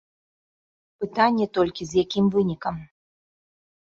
Пытанне толькі, з якім вынікам?